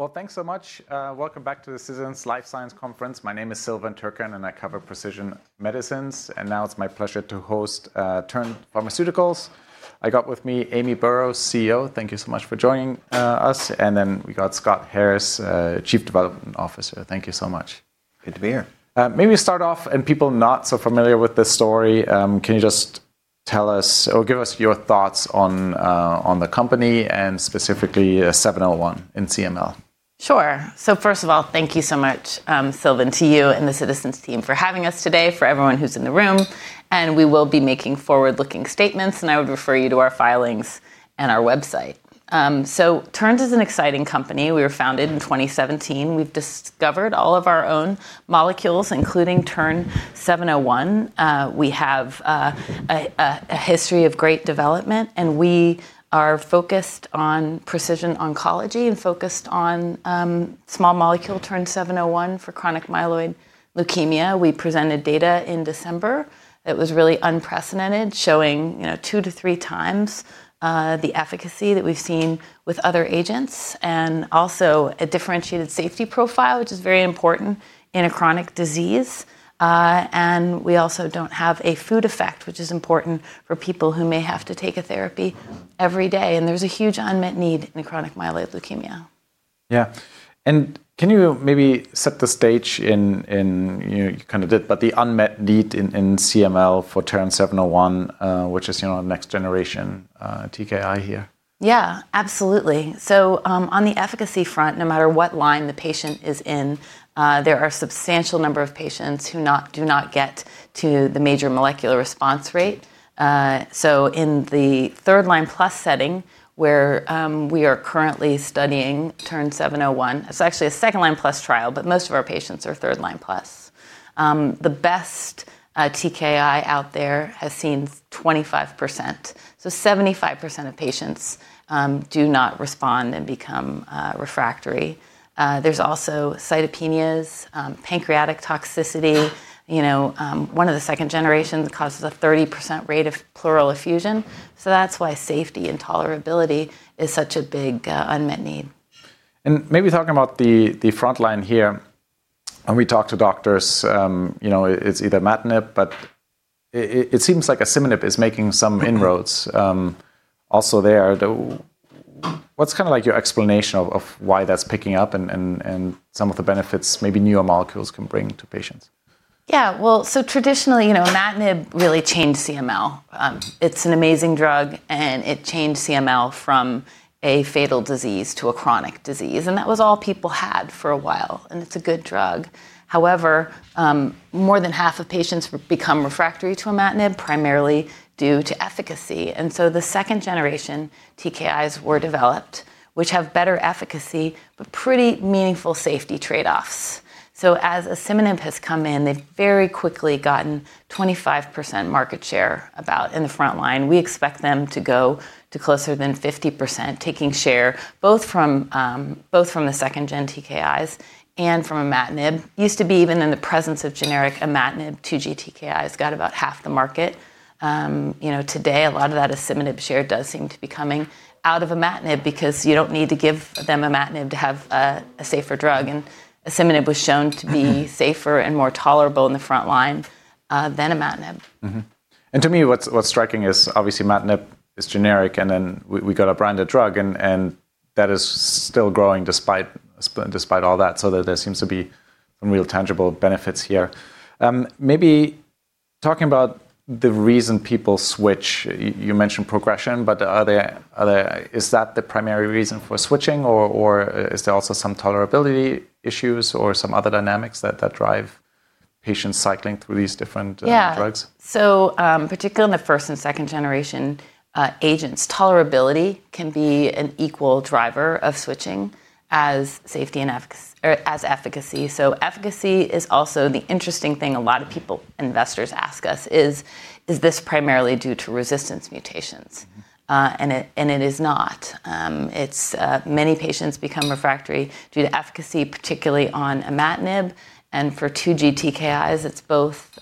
Right. Well, thanks so much. Welcome back to the Citizens Life Sciences Conference. My name is Silvan Tuerkcan, and I cover precision medicines. Now it's my pleasure to host Terns Pharmaceuticals. I got with me Amy Burroughs, CEO. Thank you so much for joining us. We got Scott Harris, Chief Development Officer. Thank you so much. Good to be here. Maybe start off, people not so familiar with this story, can you just tell us or give us your thoughts on the company and specifically, 701 and CML? Sure. First of all, thank you so much, Silvan, to you and the Citizens team for having us today, for everyone who's in the room. We will be making forward-looking statements, and I would refer you to our filings and our website. Terns an exciting company. We were founded in 2017. We've discovered all of our own molecules, including TERN-701. We have a history of great development, and we are focused on precision oncology and focused on small molecule TERN-701 for chronic myeloid leukemia. We presented data in December that was really unprecedented, showing, you know, 2x-3x the efficacy that we've seen with other agents and also a differentiated safety profile, which is very important in a chronic disease. We also don't have a food effect, which is important for people who may have to take a therapy every day, and there's a huge unmet need in chronic myeloid leukemia. Yeah. Can you maybe set the stage in, you know, you kind of did, but the unmet need in CML for TERN-701, which is, you know, next generation TKI here? Yeah, absolutely. On the efficacy front, no matter what line the patient is in, there are a substantial number of patients who do not get to the major molecular response rate. In the third line plus setting where we are currently studying TERN-701, it's actually a second-line plus trial, but most of our patients are third line plus. The best TKI out there has seen 25%, so 75% of patients do not respond and become refractory. There's also cytopenias, pancreatic toxicity. You know, one of the second generations causes a 30% rate of pleural effusion. That's why safety and tolerability is such a big unmet need. Maybe talking about the frontline here, when we talk to doctors, you know, it's either imatinib, but it seems like asciminib is making some inroads, also there. What's kinda like your explanation of why that's picking up and some of the benefits maybe newer molecules can bring to patients? Traditionally, you know, imatinib really changed CML. It's an amazing drug, and it changed CML from a fatal disease to a chronic disease, and that was all people had for a while, and it's a good drug. However, more than half of patients become refractory to imatinib, primarily due to efficacy. The second-generation TKIs were developed, which have better efficacy, but pretty meaningful safety trade-offs. As asciminib has come in, they've very quickly gotten 25% market share about in the frontline. We expect them to go to closer to 50%, taking share both from the second gen TKIs and from imatinib. Used to be even in the presence of generic imatinib, 2G-TKI's got about half the market. You know, today, a lot of that asciminib share does seem to be coming out of imatinib because you don't need to give them imatinib to have a safer drug. Asciminib was shown to be safer and more tolerable in the frontline than imatinib. To me, what's striking is obviously imatinib is generic, and then we've got a branded drug and that is still growing despite all that. There seems to be some real tangible benefits here. Maybe talking about the reason people switch. You mentioned progression, but are there. Is that the primary reason for switching or is there also some tolerability issues or some other dynamics that drive patients cycling through these different. Yeah Drugs? Particularly in the first and second generation agents, tolerability can be an equal driver of switching as safety and efficacy. Efficacy is also the interesting thing a lot of people, investors ask us is this primarily due to resistance mutations? Mm-hmm. It is not. It's many patients become refractory due to efficacy, particularly on imatinib. For 2G-TKI's, it's both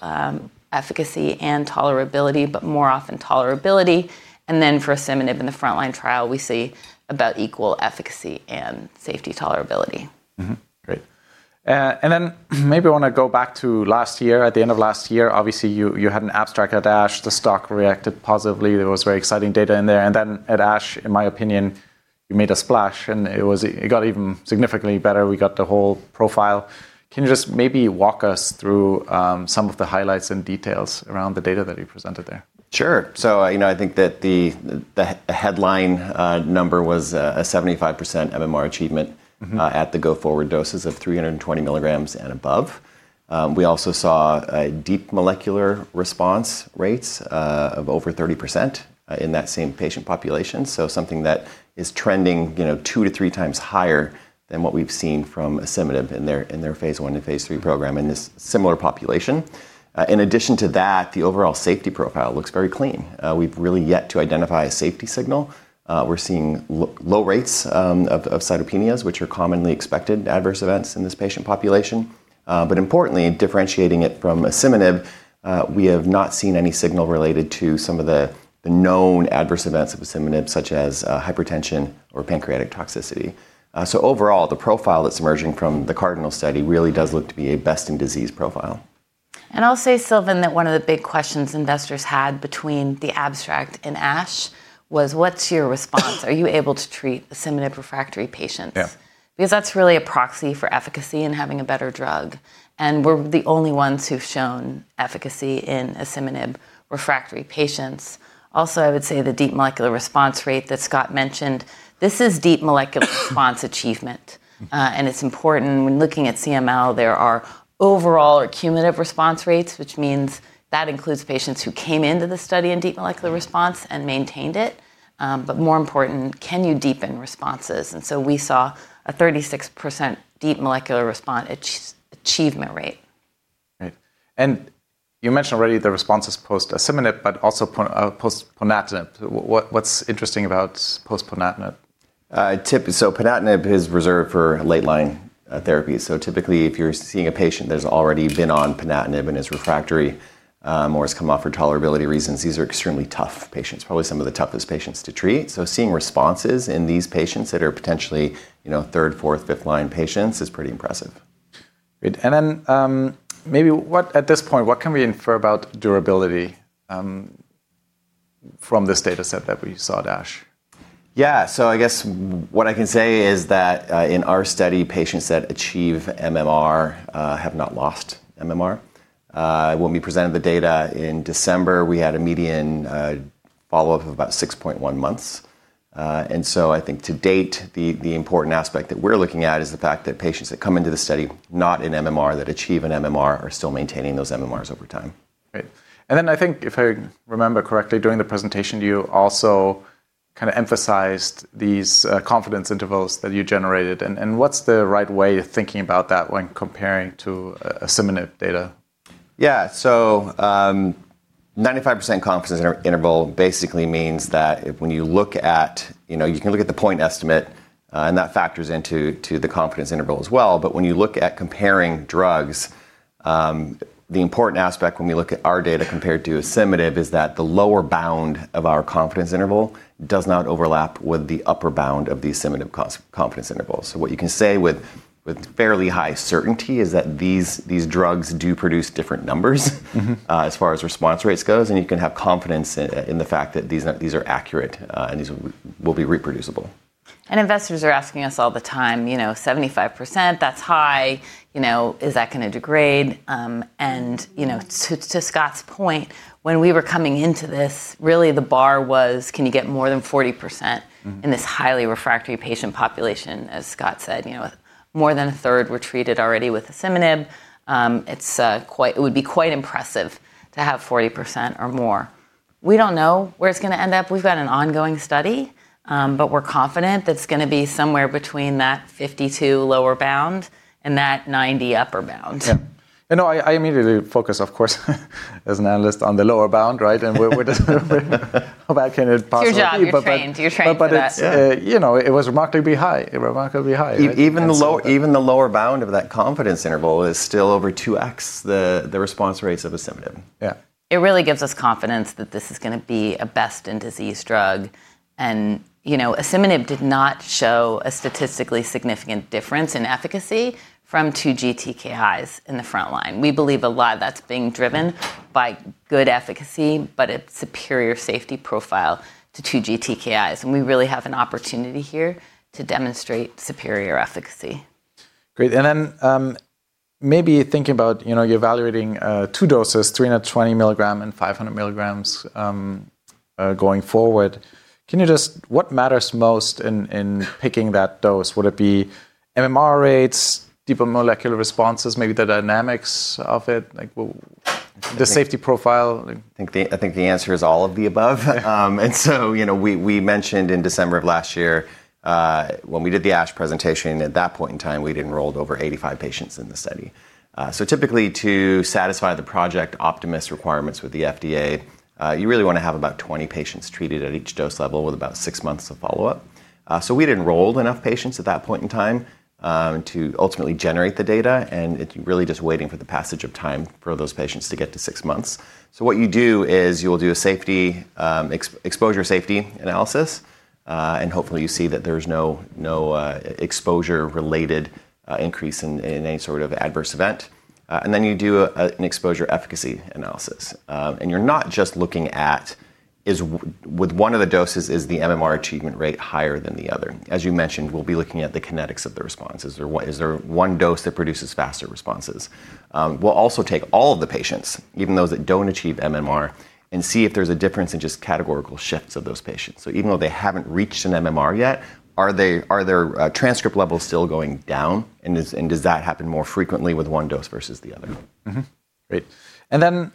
efficacy and tolerability, but more often tolerability. Then for asciminib in the frontline trial, we see about equal efficacy and safety tolerability. Great. Maybe I want to go back to last year. At the end of last year, obviously, you had an abstract at ASH. The stock reacted positively. There was very exciting data in there. At ASH, in my opinion, you made a splash, and it got even significantly better. We got the whole profile. Can you just maybe walk us through some of the highlights and details around the data that you presented there? Sure. You know, I think that the headline number was a 75% MMR achievement. Mm-hmm At the go-forward doses of 320 mg and above. We also saw deep molecular response rates of over 30% in that same patient population. Something that is trending, you know, 2x to 3x higher than what we've seen from asciminib in their phase I and phase III program in this similar population. In addition to that, the overall safety profile looks very clean. We've really yet to identify a safety signal. We're seeing low rates of cytopenias, which are commonly expected adverse events in this patient population. Importantly, differentiating it from asciminib, we have not seen any signal related to some of the known adverse events of asciminib such as hypertension or pancreatic toxicity. Overall, the profile that's emerging from the CARDINAL study really does look to be a best-in-disease profile. I'll say, Silvan, that one of the big questions investors had between the abstract and ASH was what's your response? Are you able to treat asciminib-refractory patients? Yeah. Because that's really a proxy for efficacy and having a better drug, and we're the only ones who've shown efficacy in asciminib-refractory patients. Also, I would say the deep molecular response rate that Scott mentioned, this is deep molecular response achievement, and it's important when looking at CML, there are overall or cumulative response rates, which means that includes patients who came into the study in deep molecular response and maintained it, but more important, can you deepen responses? We saw a 36% deep molecular response achievement rate. Right. You mentioned already the responses post asciminib but also post ponatinib. What's interesting about post-ponatinib? Ponatinib is reserved for late line therapy. Typically if you're seeing a patient that has already been on ponatinib and is refractory or has come off for tolerability reasons, these are extremely tough patients. Probably some of the toughest patients to treat. Seeing responses in these patients that are potentially, you know, third, fourth, fifth line patients is pretty impressive. Great. Maybe at this point, what can we infer about durability from this data set that we saw at ASH? I guess what I can say is that, in our study, patients that achieve MMR have not lost MMR. When we presented the data in December, we had a median follow-up of about 6.1 months. I think to date, the important aspect that we're looking at is the fact that patients that come into the study not in MMR that achieve an MMR are still maintaining those MMRs over time. Great. Then I think if I remember correctly during the presentation you also kind of emphasized these confidence intervals that you generated and what's the right way of thinking about that when comparing to asciminib data? Yeah. 95% confidence interval basically means that if when you look at you know you can look at the point estimate and that factors into to the confidence interval as well. When you look at comparing drugs the important aspect when we look at our data compared to asciminib is that the lower bound of our confidence interval does not overlap with the upper bound of the asciminib confidence intervals. What you can say with fairly high certainty is that these drugs do produce different numbers. Mm-hmm As far as response rates goes, and you can have confidence in the fact that these are accurate, and these will be reproducible. Investors are asking us all the time, you know, 75%, that's high, you know, is that going to degrade? You know, to Scott's point, when we were coming into this, really the bar was can you get more than 40%. Mm-hmm In this highly refractory patient population, as Scott said. You know, more than 1/3 were treated already with asciminib. It's quite impressive to have 40% or more. We don't know where it's going to end up. We've got an ongoing study, but we're confident that it's going to be somewhere between that 52 lower bound and that 90 upper bound. Yeah. No, I immediately focus, of course, as an Analyst on the lower bound, right? How bad can it possibly be? It's your job. You're trained for that. But, but, uh- Yeah You know, it was remarkably high. Remarkably high. Even the lower bound of that confidence interval is still over 2x the response rates of asciminib. Yeah. It really gives us confidence that this is going to be a best-in-disease drug and, you know, asciminib did not show a statistically significant difference in efficacy from 2G-TKIs in the front line. We believe a lot of that's being driven by good efficacy, but its superior safety profile to 2G-TKIs, and we really have an opportunity here to demonstrate superior efficacy. Great. Maybe thinking about, you know, you're evaluating two doses, 320 mg and 500 mg going forward. What matters most in picking that dose? Would it be MMR rates, deeper molecular responses, maybe the dynamics of it? Like the safety profile? I think the answer is all of the above. You know, we mentioned in December of last year, when we did the ASH presentation, at that point in time, we'd enrolled over 85 patients in the study. Typically to satisfy the Project Optimus requirements with the FDA, you really want to have about 20 patients treated at each dose level with about six months of follow-up. We'd enrolled enough patients at that point in time, to ultimately generate the data, and it's really just waiting for the passage of time for those patients to get to six months. What you do is you will do a safety exposure safety analysis, and hopefully you see that there's no exposure-related increase in any sort of adverse event. You do an exposure efficacy analysis. You're not just looking at whether with one of the doses is the MMR achievement rate higher than the other? As you mentioned, we'll be looking at the kinetics of the responses. Is there one dose that produces faster responses? We'll also take all of the patients, even those that don't achieve MMR, and see if there's a difference in just categorical shifts of those patients. Even though they haven't reached an MMR yet, are their transcript levels still going down, and does that happen more frequently with one dose versus the other? Great. Then,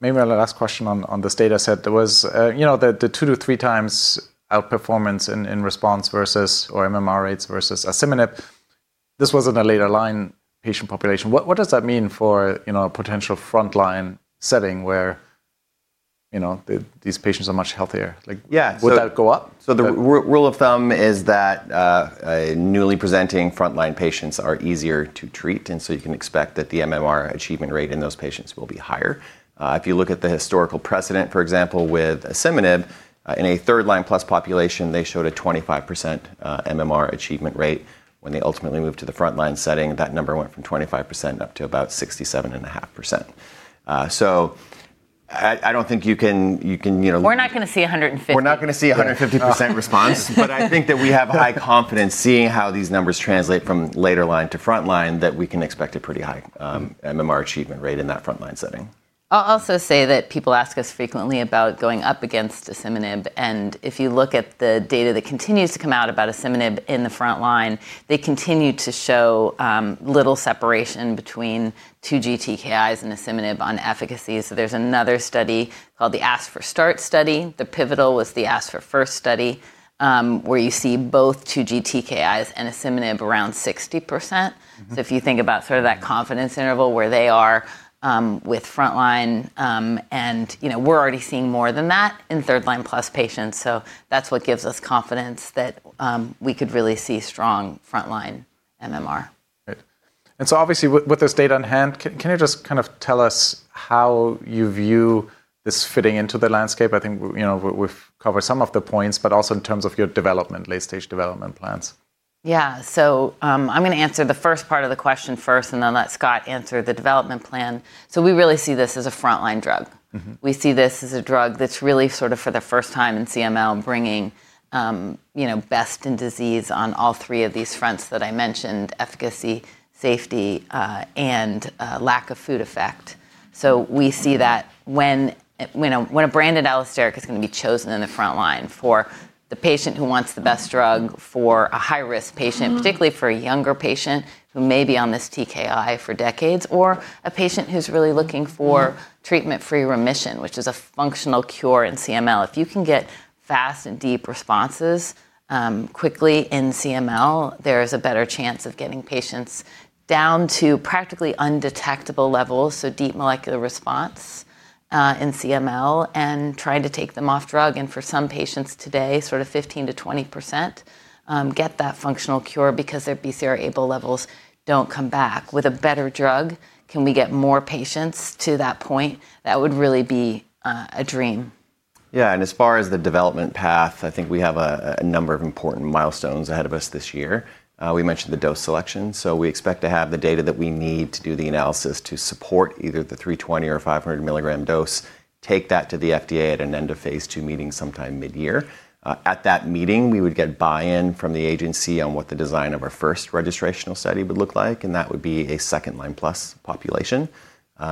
maybe my last question on this data set. There was, you know, the 2x-3x outperformance in response versus or MMR rates versus asciminib. This was in a later line patient population. What does that mean for, you know, a potential front line setting where you know, these patients are much healthier. Like Yeah. Would that go up? The rule of thumb is that a newly presenting frontline patients are easier to treat, and so you can expect that the MMR achievement rate in those patients will be higher. If you look at the historical precedent, for example, with asciminib, in a third line plus population, they showed a 25% MMR achievement rate. When they ultimately moved to the frontline setting, that number went from 25% up to about 67.5%. I don't think you can, you know. We're not gonna see 150. We're not gonna see a 150% response, but I think that we have high confidence seeing how these numbers translate from later line to frontline, that we can expect a pretty high MMR achievement rate in that frontline setting. I'll also say that people ask us frequently about going up against asciminib, and if you look at the data that continues to come out about asciminib in the frontline, they continue to show little separation between 2G-TKIs and asciminib on efficacy. There's another study called the ASC4START study. The pivotal was the ASC4FIRST study, where you see both 2G-TKIs and asciminib around 60%. Mm-hmm. If you think about sort of that confidence interval where they are with frontline, you know, we're already seeing more than that in third-line-plus patients, so that's what gives us confidence that we could really see strong frontline MMR. Right. Obviously with this data on hand, can you just kind of tell us how you view this fitting into the landscape? I think we, you know, we've covered some of the points, but also in terms of your development, late-stage development plans. Yeah. I'm gonna answer the first part of the question first and then let Scott answer the development plan. We really see this as a frontline drug. Mm-hmm. We see this as a drug that's really sort of for the first time in CML bringing, you know, best in disease on all three of these fronts that I mentioned, efficacy, safety, and lack of food effect. We see that when a branded allosteric is gonna be chosen in the frontline for the patient who wants the best drug, for a high-risk patient- Mm-hmm Particularly for a younger patient who may be on this TKI for decades, or a patient who's really looking for treatment-free remission, which is a functional cure in CML. If you can get fast and deep responses quickly in CML, there is a better chance of getting patients down to practically undetectable levels, so deep molecular response in CML and trying to take them off drug. For some patients today, sort of 15%-20% get that functional cure because their BCR-ABL levels don't come back. With a better drug, can we get more patients to that point? That would really be a dream. Yeah. As far as the development path, I think we have a number of important milestones ahead of us this year. We mentioned the dose selection, so we expect to have the data that we need to do the analysis to support either the 320 mg or 500 mg dose, take that to the FDA at an end-of-phase II meeting sometime midyear. At that meeting, we would get buy-in from the agency on what the design of our first registrational study would look like, and that would be a second line plus population,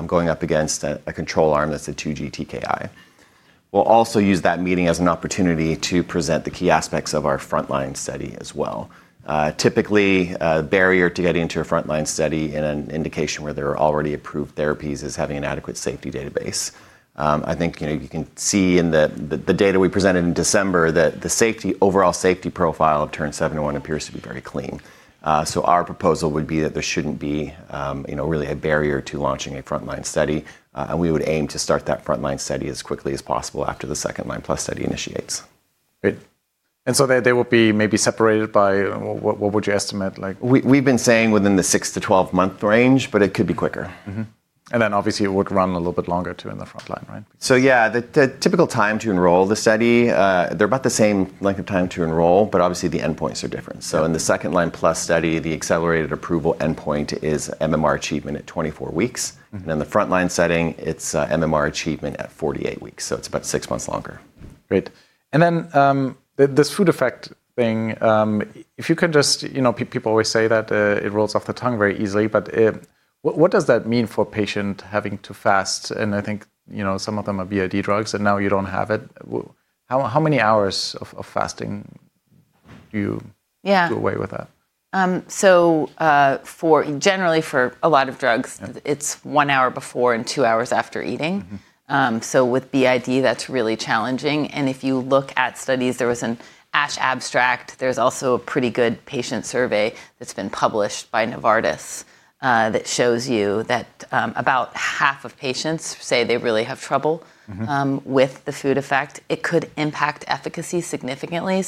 going up against a control arm that's a 2G-TKI. We'll also use that meeting as an opportunity to present the key aspects of our frontline study as well. Typically, a barrier to getting into a frontline study in an indication where there are already approved therapies is having an adequate safety database. I think, you know, you can see in the data we presented in December that the safety, overall safety profile of TERN-701 appears to be very clean. Our proposal would be that there shouldn't be, you know, really a barrier to launching a frontline study. We would aim to start that frontline study as quickly as possible after the second line plus study initiates. Great. They will be maybe separated by what would you estimate like? We've been saying within the 6- to 12-month range, but it could be quicker. Mm-hmm. Obviously it would run a little bit longer too in the frontline, right? Yeah, the typical time to enroll the study, they're about the same length of time to enroll, but obviously the endpoints are different. In the second line plus study, the accelerated approval endpoint is MMR achievement at 24 weeks. Mm-hmm. In the frontline setting, it's MMR achievement at 48 weeks. It's about 6 months longer. Great. This food effect thing, if you could just, you know, people always say that it rolls off the tongue very easily, but what does that mean for a patient having to fast? I think, you know, some of them are BID drugs, and now you don't have it. How many hours of fasting do you- Yeah Do away with that? Generally for a lot of drugs. Mm It's one hour before and two hours after eating. Mm-hmm. with BID, that's really challenging. If you look at studies, there was an ASH abstract. There's also a pretty good patient survey that's been published by Novartis that shows you that about 1/2 of patients say they really have trouble. Mm-hmm with the food effect. It could impact efficacy significantly.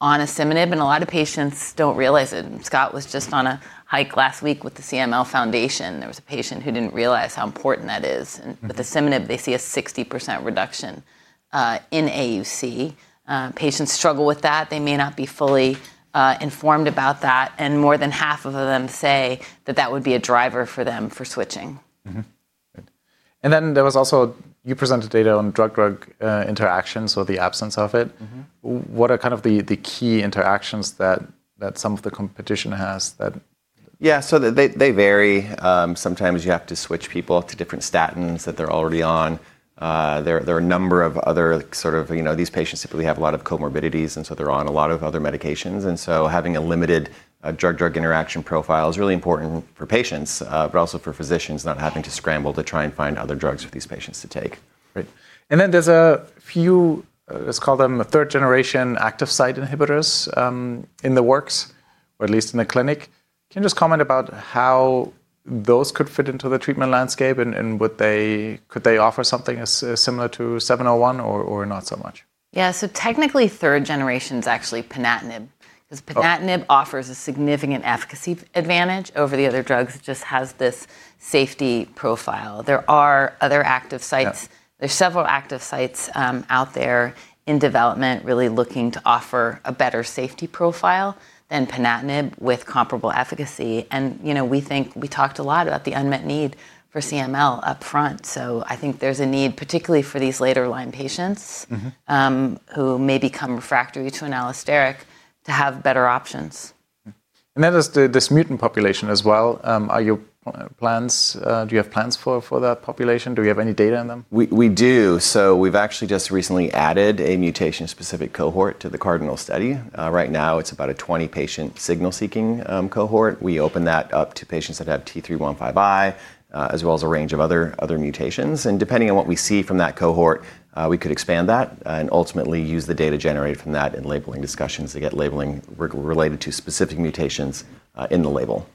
On asciminib, a lot of patients don't realize it, and Scott was just on a hike last week with the CML Foundation. There was a patient who didn't realize how important that is. Mm-hmm With asciminib, they see a 60% reduction in AUC. Patients struggle with that. They may not be fully informed about that, and more than half of them say that that would be a driver for them for switching. Mm-hmm. You presented data on drug-drug interactions or the absence of it. Mm-hmm. What are kind of the key interactions that some of the competition has that- Yeah. So they vary. Sometimes you have to switch people to different statins that they're already on. There are a number of other sort of, you know, these patients typically have a lot of comorbidities, and so they're on a lot of other medications. Having a limited drug-drug interaction profile is really important for patients, but also for physicians not having to scramble to try and find other drugs for these patients to take. Right. Then there's a few, let's call them third-generation active site inhibitors, in the works. At least in the clinic. Can you just comment about how those could fit into the treatment landscape and could they offer something as similar to 701 or not so much? Yeah. Technically third-generation's actually ponatinib. Oh. 'Cause ponatinib offers a significant efficacy advantage over the other drugs. It just has this safety profile. There are other active sites. Yeah. There's several active sites out there in development really looking to offer a better safety profile than ponatinib with comparable efficacy. You know, we think we talked a lot about the unmet need for CML up front, so I think there's a need particularly for these later line patients. Mm-hmm who may become refractory to an allosteric TKI to have better options. There's this mutant population as well. Do you have plans for that population? Do we have any data on them? We do. We've actually just recently added a mutation-specific cohort to the CARDINAL study. Right now it's about a 20-patient signal-seeking cohort. We open that up to patients that have T315I as well as a range of other mutations. Depending on what we see from that cohort, we could expand that and ultimately use the data generated from that in labeling discussions to get labeling related to specific mutations in the label.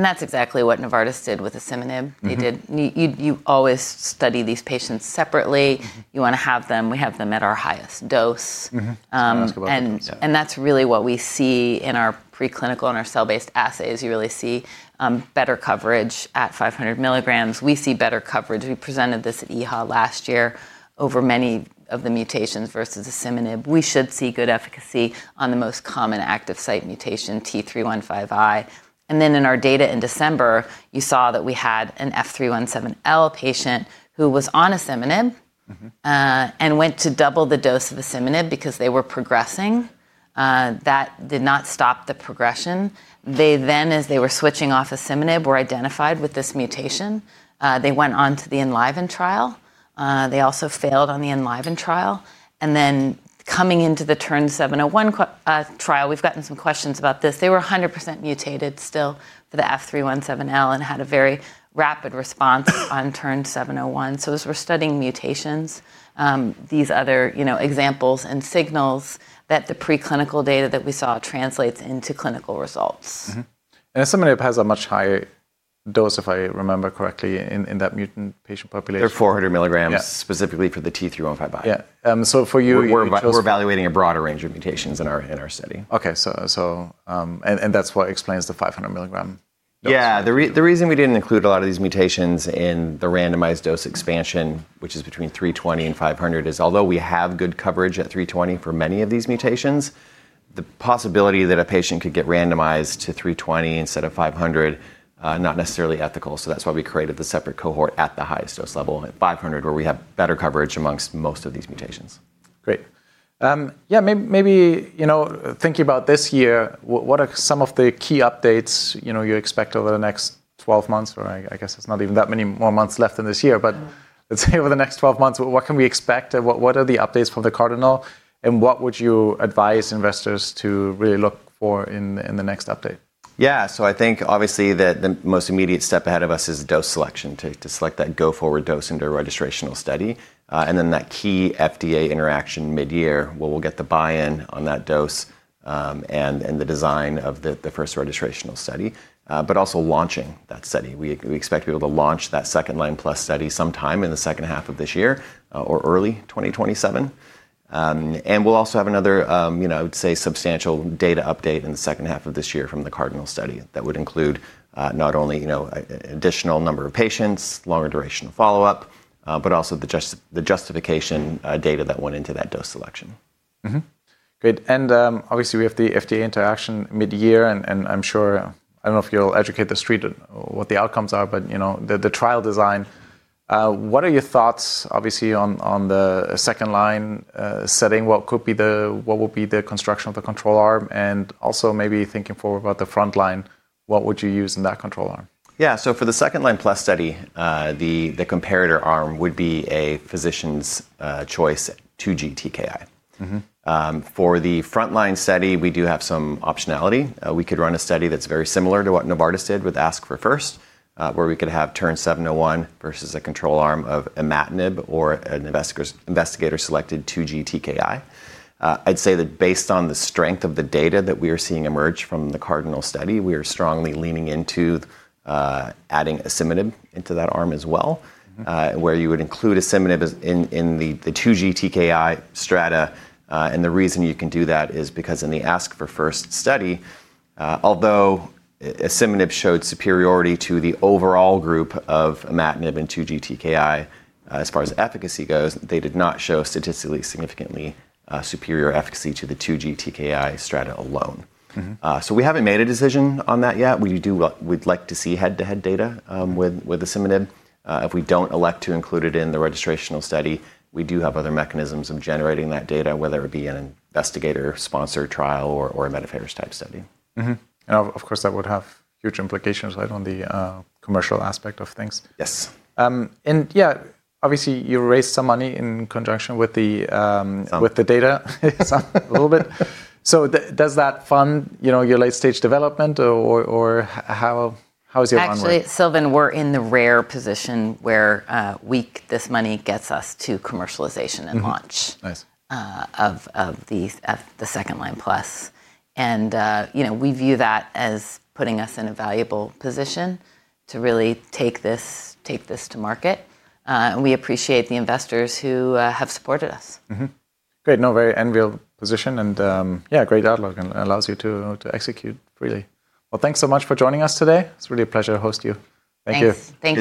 That's exactly what Novartis did with asciminib. Mm-hmm. You always study these patients separately. You wanna have them, we have them at our highest dose. Mm-hmm. Um, and- Ask about that. Yeah. that's really what we see in our preclinical and our cell-based assays. You really see better coverage at 500 mg. We see better coverage. We presented this at EHA last year over many of the mutations versus asciminib. We should see good efficacy on the most common active site mutation T315I. Then in our data in December, you saw that we had an F317L patient who was on asciminib. Mm-hmm They went to double the dose of asciminib because they were progressing. That did not stop the progression. They then, as they were switching off asciminib, were identified with this mutation. They went on to the ENLIVEN trial. They also failed on the ENLIVEN trial. Then coming into the TERN-701 trial, we've gotten some questions about this. They were 100% mutated still for the F317L and had a very rapid response on TERN-701. As we're studying mutations, these other, you know, examples and signals that the preclinical data that we saw translates into clinical results. Mm-hmm. Asciminib has a much higher dose, if I remember correctly, in that mutant patient population. They're 400 mg. Yeah Specifically for the T315I. Yeah. For you chose- We're evaluating a broader range of mutations in our study. That's what explains the 500 mg dose. Yeah. The reason we didn't include a lot of these mutations in the randomized dose expansion, which is between 320 mg and 500 mg, is, although we have good coverage at 320 mg for many of these mutations, the possibility that a patient could get randomized to 320 mg instead of 500 mg not necessarily ethical, so that's why we created the separate cohort at the highest dose level, at 500 mg where we have better coverage amongst most of these mutations. Great. Yeah, maybe, you know, thinking about this year, what are some of the key updates, you know, you expect over the next 12 months? Or I guess it's not even that many more months left in this year, but. Mm-hmm Let's say over the next 12 months, what can we expect and what are the updates from the CARDINAL and what would you advise investors to really look for in the next update? I think obviously the most immediate step ahead of us is dose selection. To select that go forward dose into a registrational study. That key FDA interaction midyear where we'll get the buy-in on that dose, and the design of the first registrational study. Also launching that study. We expect to be able to launch that second line plus study sometime in the second half of this year, or early 2027. We'll also have another, you know, I would say substantial data update in the second half of this year from the CARDINAL study that would include, not only, you know, additional number of patients, longer duration of follow-up, but also the justification data that went into that dose selection. Mm-hmm. Great. Obviously we have the FDA interaction midyear and I'm sure I don't know if you'll educate The Street what the outcomes are, but, you know, the trial design, what are your thoughts obviously on the second-line setting? What will be the construction of the control arm? Also maybe thinking forward about the frontline, what would you use in that control arm? For the second line plus study, the comparator arm would be a physician's choice 2G-TKI. Mm-hmm. For the frontline study, we do have some optionality. We could run a study that's very similar to what Novartis did with ASC4FIRST, where we could have TERN-701 versus a control arm of imatinib or an investigator selected 2G-TKI. I'd say that based on the strength of the data that we are seeing emerge from the CARDINAL study, we are strongly leaning into adding asciminib into that arm as well. Mm-hmm. Where you would include asciminib is in the 2G-TKI strata. The reason you can do that is because in the ASC4FIRST study, although asciminib showed superiority to the overall group of imatinib in 2G-TKI, as far as efficacy goes, they did not show statistically significantly superior efficacy to the 2G-TKI strata alone. Mm-hmm. We haven't made a decision on that yet. We'd like to see head-to-head data with asciminib. If we don't elect to include it in the registrational study, we do have other mechanisms of generating that data, whether it be an investigator-sponsored trial or a meta-analysis type study. Mm-hmm. Of course, that would have huge implications, right, on the commercial aspect of things. Yes. Yeah, obviously you raised some money in conjunction with the, Some... with the data. A little bit. Does that fund, you know, your late-stage development or how is your timeline? Actually, Silvan, we're in the rare position where this money gets us to commercialization and launch. Mm-hmm. Nice. of the second line plus. You know, we view that as putting us in a valuable position to really take this to market. We appreciate the investors who have supported us. Mm-hmm. Great. No, very enviable position and, yeah, great outlook and allows you to execute really. Well, thanks so much for joining us today. It's really a pleasure to host you. Thank you. Thanks. Thank you.